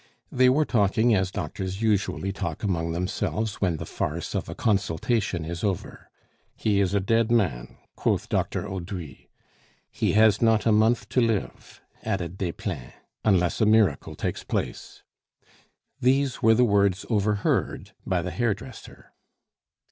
They were talking as doctors usually talk among themselves when the farce of a consultation is over. "He is a dead man," quoth Dr. Haudry. "He had not a month to live," added Desplein, "unless a miracle takes place." These were the words overheard by the hairdresser.